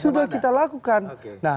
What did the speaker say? sudah kita lakukan